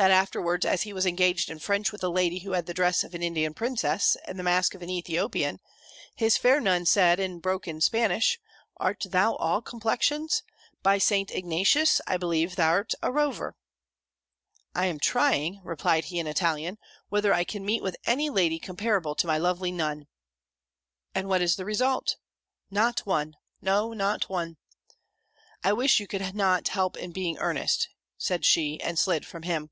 That afterwards as he was engaged in French with a lady who had the dress of an Indian Princess, and the mask of an Ethiopian, his fair Nun said, in broken Spanish, "Art thou at all complexions? By St. Ignatius, I believe thou'rt a rover!" "I am trying," replied he in Italian, "whether I can meet with any lady comparable to my lovely Nun." "And what is the result?" "Not one: no not one." "I wish you could not help being in earnest," said she; and slid from him.